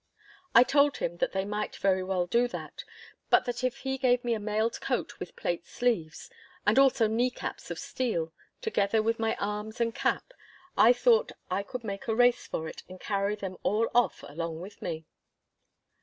I told him that they might very well do that, but that if he gave me a mailed coat with plate sleeves, and also kneecaps of steel, together with my arms and cap, I thought I could make a race for it and carry them all off along with me.